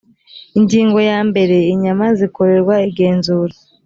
ingingo yambere inyama zikorerwa igenzura